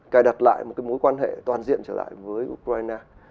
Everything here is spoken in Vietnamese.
cài đặt lại một cái mối quan hệ toàn diện trở lại với ukraine